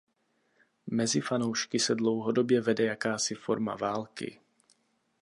Mezi fanoušky se dlouhodobě vede jakási forma války.